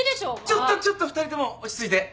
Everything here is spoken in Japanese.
ちょっとちょっと２人とも落ち着いて。